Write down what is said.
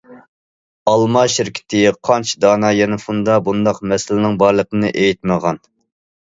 ئالما شىركىتى قانچە دانە يانفوندا بۇنداق مەسىلىنىڭ بارلىقىنى ئېيتمىغان.